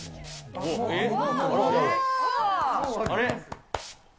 あれ？